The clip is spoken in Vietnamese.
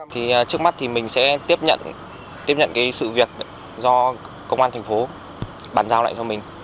thì trước mắt thì mình sẽ tiếp nhận cái sự việc do công an thành phố bản giao lại cho mình